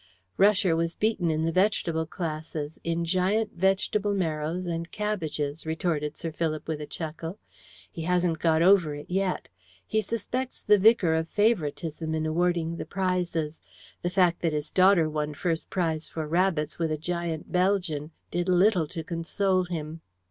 "Rusher was beaten in the vegetable classes in giant vegetable marrows and cabbages," retorted Sir Philip, with a chuckle. "He hasn't got over it yet. He suspects the vicar of favouritism in awarding the prizes. The fact that his daughter won first prize for rabbits with a giant Belgian did little to console him."